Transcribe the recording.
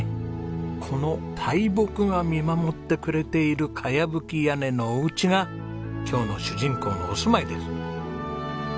この大木が見守ってくれている茅葺き屋根のお家が今日の主人公のお住まいです。